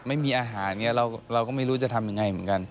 ไม่มีอาหารเราก็ไม่รู้จะทำอย่างไรเหมือนกัน